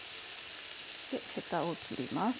ヘタを切ります。